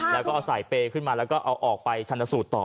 แล้วก็เอาสายเปย์ขึ้นมาแล้วก็เอาออกไปชันสูตรต่อ